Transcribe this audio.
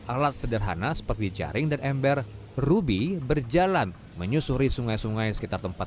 alat sederhana seperti jaring dan ember ruby berjalan menyusuri sungai sungai sekitar tempat